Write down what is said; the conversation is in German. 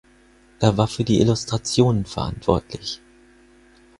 Er war für die Illustrationen verantwortlich.